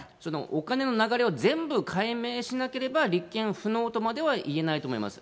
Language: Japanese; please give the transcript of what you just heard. お金の流れは全部解明しなければ立件不能とまではいえないと思います。